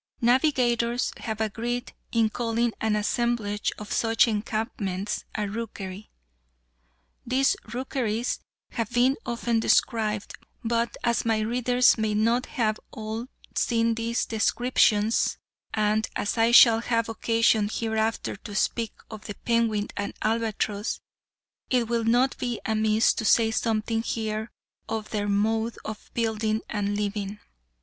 Navigators have agreed in calling an assemblage of such encampments a rookery. These rookeries have been often described, but as my readers may not all have seen these descriptions, and as I shall have occasion hereafter to speak of the penguin and albatross, it will not be amiss to say something here of their mode of building and living.